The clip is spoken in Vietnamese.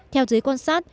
theo giới quan sát